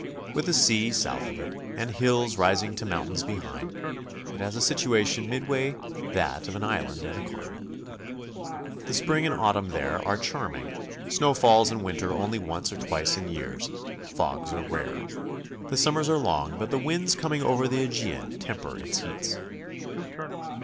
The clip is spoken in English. With the sea south of it, and hills rising to mountains behind, it has a situation midway that of an island and a continent. The spring and autumn there are charming; snow falls in winter only once or twice in years; fogs are rare. The summers are long, but the winds coming over the Aegean temper its heats.